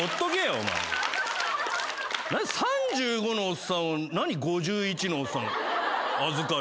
３５のおっさんを何５１のおっさん預かる。